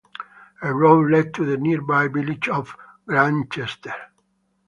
A road led to the nearby village of Grantchester.